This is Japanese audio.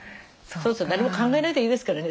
何も考えないでいいですからね。